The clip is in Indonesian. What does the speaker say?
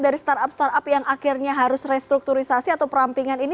dari startup startup yang akhirnya harus restrukturisasi atau perampingan ini